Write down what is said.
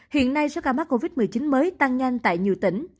hiện nay số ca mắc covid một mươi chín mới tăng nhanh tại nhiều tỉnh